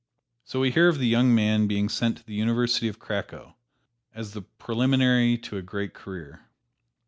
So we hear of the young man being sent to the University of Cracow, as the preliminary to a great career.